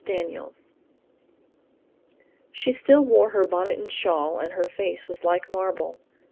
DANIELS She still wore her bonnet and shawl and her face was like marble.